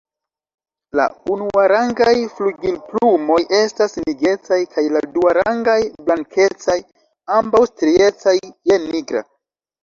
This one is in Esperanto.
La unuarangaj flugilplumoj estas nigrecaj kaj la duarangaj blankecaj, ambaŭ striecaj je nigra.